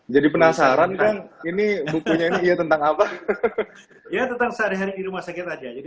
jadi penasaran kan ini bukunya ini tentang apa ya tentang sehari hari di rumah sakit aja jadi